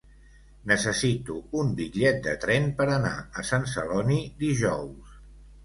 Necessito un bitllet de tren per anar a Sant Celoni dijous.